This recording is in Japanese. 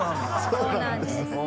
そうなんですね。